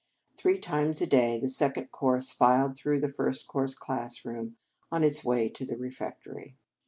Three times a day the Second Cours filed through the First Cours classroom, on its way to the re fectory.